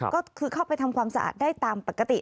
ก็คือเข้าไปทำความสะอาดได้ตามปกติ